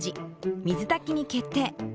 水炊きに決定！